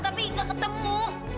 tapi gak ketemu